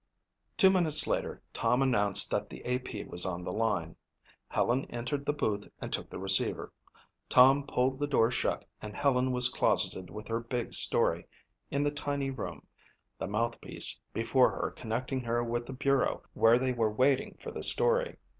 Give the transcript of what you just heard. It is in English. Two minutes later Tom announced that the A.P. was on the line. Helen entered the booth and took the receiver. Tom pulled the door shut and Helen was closeted with her big story in the tiny room, the mouthpiece before her connecting her with the bureau where they were waiting for the story.